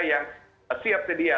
yang siap sedia